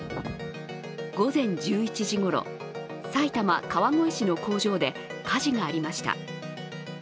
午前１１時ごろ、埼玉・川越市の工場で火事がありました。